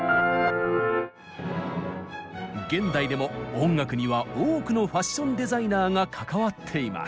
現代でも音楽には多くのファッションデザイナーが関わっています。